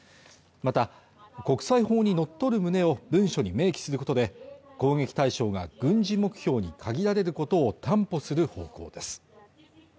また国際法に則り旨を文書に明記することで攻撃対象が軍事目標に限られることを担保する方向です